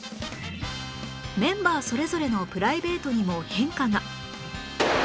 メンバーそれぞれのプライベートにも変化が